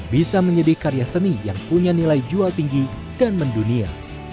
bisa menyedih karya seni yang punya nilai jual tinggi dan mendunia